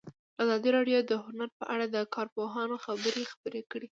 ازادي راډیو د هنر په اړه د کارپوهانو خبرې خپرې کړي.